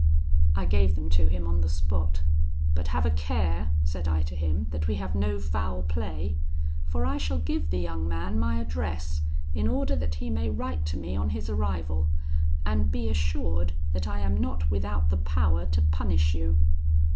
I gave them to him on the spot. "But have a care," said I to him, "that we have no foul play: for I shall give the young man my address, in order that he may write to me on his arrival; and be assured that I am not without the power to punish you."